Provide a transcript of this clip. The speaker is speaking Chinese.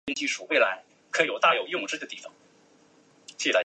这部电影也改编自他在小联盟的经历。